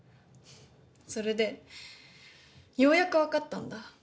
それでようやくわかったんだ。